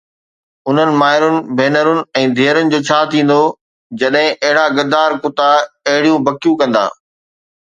انهن مائرن، ڀينرن ۽ ڌيئرن جو ڇا ٿيندو جڏهن اهڙا غدار ڪتا اهڙيون بکيون ڪندا